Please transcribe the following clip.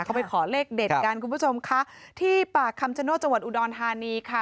เขาไปขอเลขเด็ดกันคุณผู้ชมค่ะที่ป่าคำชโนธจังหวัดอุดรธานีค่ะ